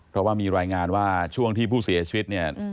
เพราะว่ามีรายงานว่าช่วงที่ผู้เสียชีวิตเนี่ย